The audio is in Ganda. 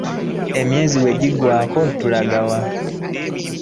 Emyezi bwe giggwaako tulaga wa?